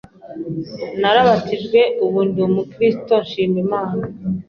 narabatijwe ubu ndi umukristo ushima Imana.